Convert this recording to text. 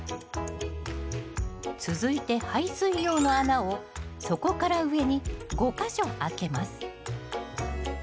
続いて排水用の穴を底から上に５か所あけます。